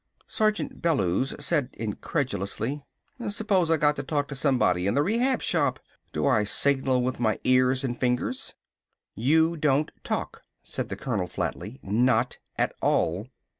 Sergeant Bellews said incredulously: "Suppose I got to talk to somebody in the Rehab Shop. Do I signal with my ears and fingers?" "You don't talk," said the colonel flatly. "Not at all."